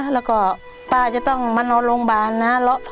แล้วก็ป้าจะต้องมานอนโรงพยาบาลนะ